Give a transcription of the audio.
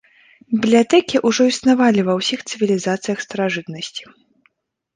Бібліятэкі ўжо існавалі ва ўсіх цывілізацыях старажытнасці.